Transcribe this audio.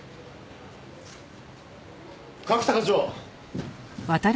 角田課長！